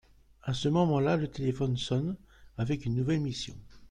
À ce moment-là, le téléphone sonne avec une nouvelle mission.